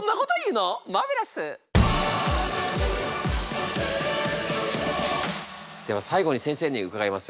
マーベラス！では最後に先生に伺います。